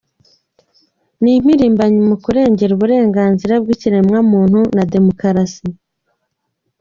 Ni impirimbanyi mu kurengera uburenganzira bw’ikiremwamuntu na Demokarasi.